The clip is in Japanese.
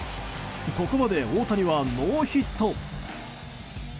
ここまで大谷はノーヒット。